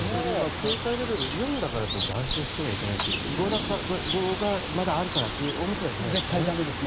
警戒レベル４だからといって安心してはいけないという５がまだあるからと思ってはいけないですね。